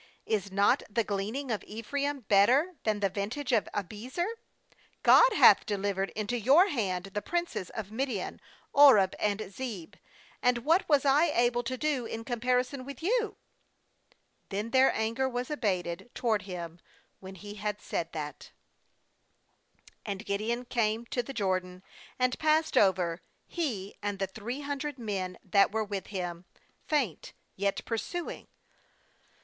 Is not the gleaning of Ephraim better than the vintage of Abiezer? 3God hath delivered into your hand the princes of Midian, Oreb and Zeeb; and what was I able to do in comparison with you?' Then their anger was abated toward him, when he had said that. 303 8.4 JUDGES 4And Gideon came to the Jordan, and passed over, he, and the three hundred men that were with him, faint, yet pursuing.